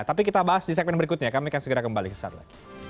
tapi kita bahas di segmen berikutnya kami akan segera kembali sesaat lagi